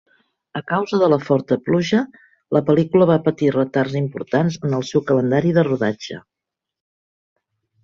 A causa de la forta pluja, la pel·lícula va patir retards importants en el seu calendari de rodatge.